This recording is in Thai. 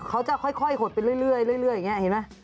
เขาจะค่อยขวดไปเรื่อยเลยเห็นมั้ย